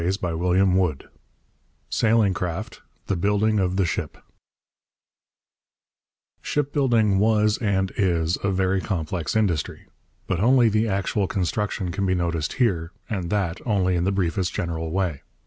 CHAPTER VI SAILING CRAFT: THE BUILDING OF THE SHIP Shipbuilding was and is a very complex industry. But only the actual construction can be noticed here, and that only in the briefest general way.